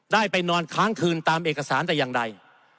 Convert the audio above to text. ได้ไปนอนค้างคืนตามเอกสารแต่อย่างใด